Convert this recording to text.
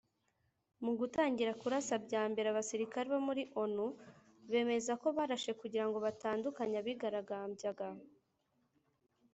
Mu gutangira kurasa bya mbere abasirikare ba onu bemeza ko barashe kugira ngo batandukanye abigaragambyaga